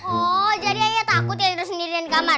oh jadi ayah takut tidur sendirian di kamar